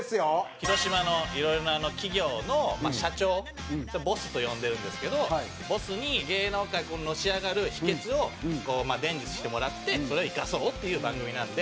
広島のいろいろな企業のまあ社長「ボス」と呼んでるんですけどボスに芸能界のし上がる秘訣を伝授してもらってそれを生かそうっていう番組なんで。